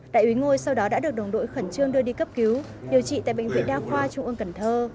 đại úy ngôi sau đó đã được đồng đội khẩn trương đưa đi cấp cứu điều trị tại bệnh viện đa khoa trung ương cần thơ